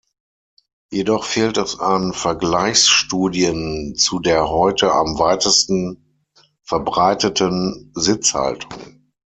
Jedoch fehlt es an Vergleichsstudien zu der heute am weitesten verbreiteten Sitzhaltung.